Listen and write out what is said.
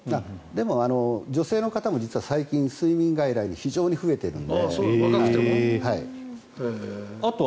でも、女性の方は最近、睡眠外来に非常に増えているので。